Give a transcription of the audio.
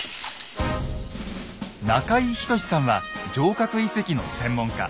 中井均さんは城郭遺跡の専門家。